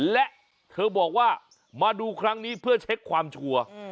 และเธอบอกว่ามาดูครั้งนี้เพื่อเช็คความชัวร์